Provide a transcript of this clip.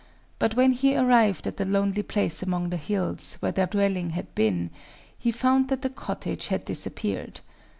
But when he arrived at the lonely place among the hills, where their dwelling had been, he found that the cottage had disappeared.